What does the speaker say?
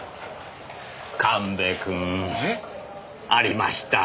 神戸君。え？ありました。